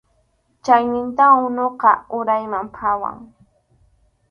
Chayninta unuqa urayman phawan.